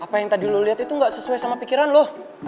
sam apa yang tadi lo liat itu gak sesuai sama pikiran lo